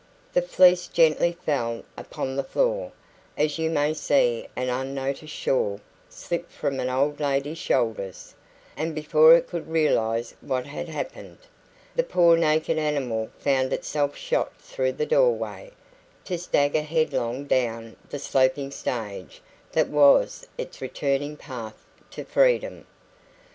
The fleece gently fell upon the floor, as you may see an unnoticed shawl slip from an old lady's shoulders, and before it could realise what had happened, the poor naked animal found itself shot through the doorway, to stagger headlong down the sloping stage that was its returning path to freedom.